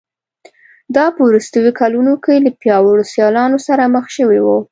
دا په وروستیو کلونو کې له پیاوړو سیالانو سره مخ شوی و